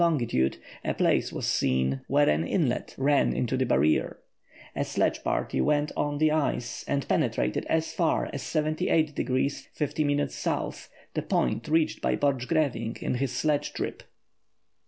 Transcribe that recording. longitude, a place was seen where an inlet ran into the barrier. A sledge party went on the ice and penetrated as far as 78° 50' S., the point reached by Borchegrevinck in his sledge trip.